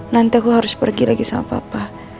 nanti aku harus pergi lagi sama papa